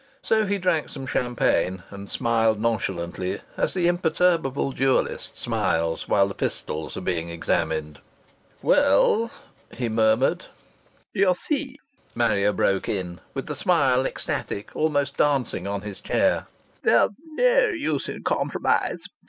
So he drank some champagne, and smiled nonchalantly as the imperturbable duellist smiles while the pistols are being examined. "Well " he murmured. "You see," Marrier broke in, with the smile ecstatic, almost dancing on his chair. "There's no use in compromise.